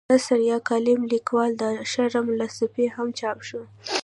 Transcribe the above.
د نثر یا کالم لیکلو دا شرم له سپي هم چاپ شو.